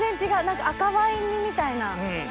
何か赤ワイン煮みたいな。